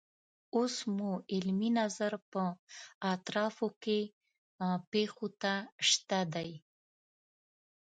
اوس مو علمي نظر په اطرافو کې پیښو ته شته دی.